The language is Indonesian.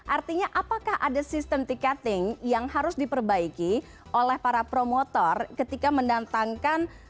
artinya apakah ada sistem tiketing yang harus diperbaiki oleh para promotor ketika mendatangkan